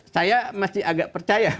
saya masih agak percaya